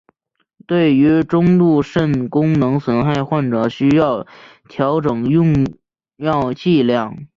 对于中度肾功能损害患者需要调整用药剂量。